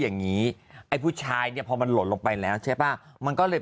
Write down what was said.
อย่างงี้ไอ้ผู้ชายเนี่ยพอมันหล่นลงไปแล้วใช่ป่ะมันก็เลย